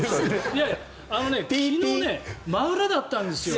いやいや、昨日ね真裏だったんですよ。